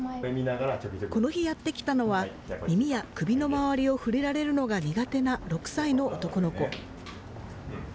この日やって来たのは、耳や首の周りを触れられるのが苦手な６歳の男の子。